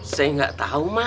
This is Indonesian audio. saya nggak tahu mak